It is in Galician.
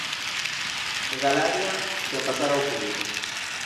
Galaria sen pasar ao público.